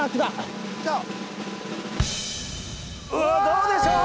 どうでしょう？